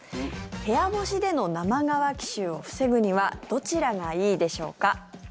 部屋干しでの生乾き臭を防ぐにはどちらがいいでしょうか？